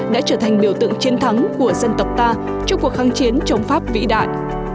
đã trở thành biểu tượng chiến thắng của dân tộc ta trong cuộc kháng chiến chống pháp vĩ đại